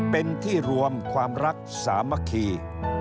เป็นที่รวมความรักสามัคคี